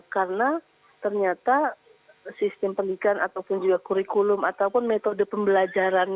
karena ternyata sistem pendidikan ataupun juga kurikulum ataupun metode pembelajaran